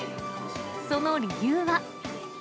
その理由は。